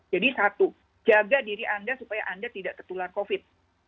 jadi satu jaga diri anda supaya anda tidak tertular covid